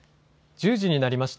１０時になりました。